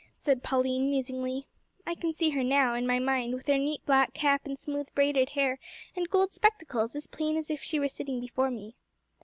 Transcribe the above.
said Pauline, musingly. "I can see her now, in my mind, with her neat black cap and smooth braided hair, and gold spectacles, as plain as if she were sitting before me."